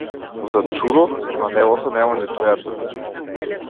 За чудо, на небото нема ниту една.